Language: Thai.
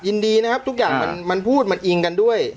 ยินดีนะครับทุกอย่างมันพูดมันอิงกันด้วย